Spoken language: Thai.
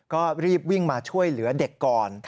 ก็รีบวิ่งมาช่วยเหลือเด็กก่อน